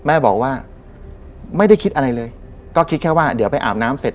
แม่บอกว่าไม่ได้คิดอะไรเลยก็คิดแค่ว่าเดี๋ยวไปอาบน้ำเสร็จ